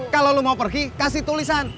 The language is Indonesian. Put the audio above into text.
kalau lo mau pergi kasih tulisan